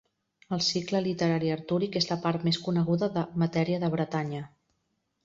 El cicle literari artúric és la part més coneguda de Matèria de Bretanya.